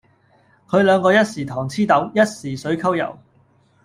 佢兩個一時糖黐豆，一時水摳油